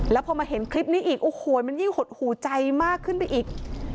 แล้วพอมาเห็นคลิปนี้อีกโอ้โหมันยิ่งหดหูใจมากขึ้นไปอีก